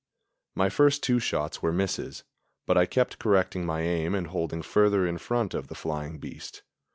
My first two shots were misses, but I kept correcting my aim and holding further in front of the flying beast.